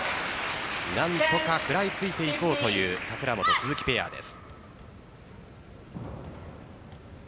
何とか食らいついていこうという櫻本・鈴木ペアです。